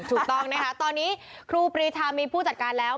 ถูกต้องนะคะตอนนี้ครูปรีชามีผู้จัดการแล้ว